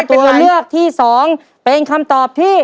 ตัวเลือกที่สองเป็นคำตอบที่